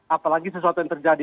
apalagi sesuatu yang terjadi